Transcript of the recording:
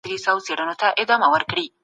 تېر کال حکومت د انساني کرامت قانون تصويب کړ.